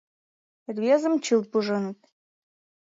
Рвезым чылт пуженыт.